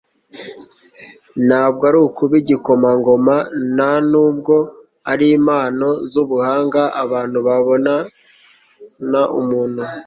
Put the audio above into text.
ntabwo ari ukuba igikomangoma, nta nubwo ari impano z'ubuhanga abantu babonana umuntu.